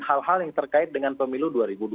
hal hal yang terkait dengan pemilu dua ribu dua puluh